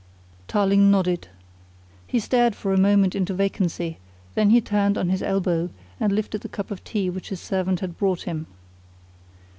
Tarling nodded. He stared for a moment into vacancy, then he turned on his elbow and lifted the cup of tea which his servant had brought him.